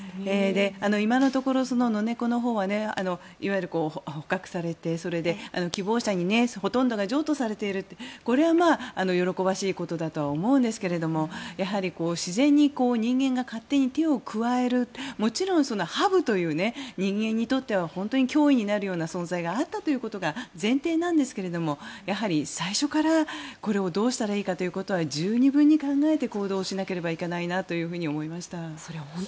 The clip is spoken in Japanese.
今のところ、ノネコのほうはいわゆる捕獲されてそれで希望者にほとんどが譲渡されているってこれは喜ばしいことだとは思うんですがやはり自然に人間が勝手に手を加えるもちろんハブという人間にとって脅威になる存在があったということが前提なんですがやはり最初から、これをどうしたらいいかということは十二分に考えて行動しなければいけないなと思いました。